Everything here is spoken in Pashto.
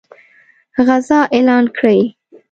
غزا اعلان کړي.